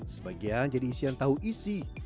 sebagian jadi isian tahu isi